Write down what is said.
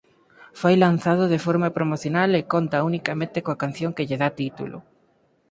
Foi lanzado de forma promocional e conta unicamente coa canción que lle dá título.